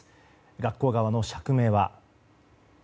学校側の釈明は。